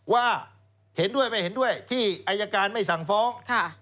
ว่าเห็นด้วยไม่เห็นด้วยที่อายการไม่สั่งฟ้อง